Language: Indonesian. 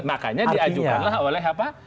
makanya diajukanlah oleh apa